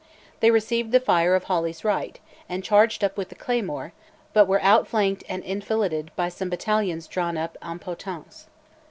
They received the fire of Hawley's right, and charged with the claymore, but were outflanked and enfiladed by some battalions drawn up en potence.